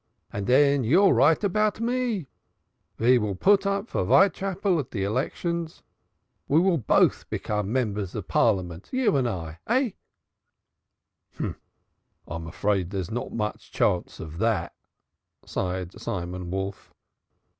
And den you vill write about me ve vill put up for Vitechapel at de elections, ve vill both become membairs of Parliament, I and you, eh?" "I'm afraid there's not much chance of that," sighed Simon Wolf.